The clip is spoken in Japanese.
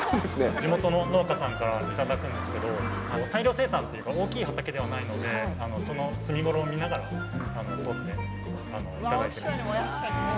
地元の農家さんから頂くんですけど、大量生産というか、大きい畑ではないので、その摘みごろを見ながら取って頂いてるんです。